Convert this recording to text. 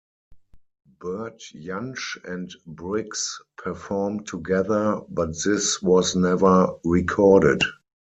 Bert Jansch and Briggs performed together but this was never recorded.